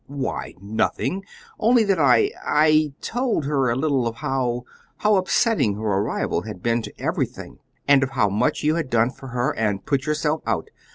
"Why, nothing, only that I I told her a little of how how upsetting her arrival had been to everything, and of how much you had done for her, and put yourself out.